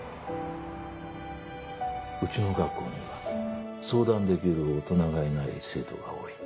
うちの学校には相談できる大人がいない生徒が多い。